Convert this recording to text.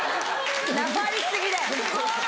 なまり過ぎだよ。